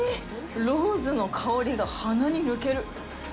ローズの香りが鼻に抜ける！